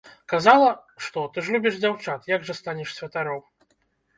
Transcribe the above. Казала, што, ты ж любіш дзяўчат, як жа станеш святаром?!